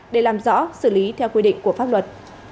để làm rõ xử lý theo quy định của pháp luật